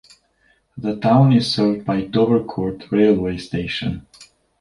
The town is served by Dovercourt railway station.